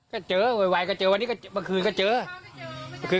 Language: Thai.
ก็เจอไวก็เจอวันนี้ก็เมื่อคืนก็เจอ